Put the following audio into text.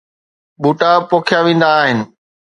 ٻوٽا پوکيا ويندا آهن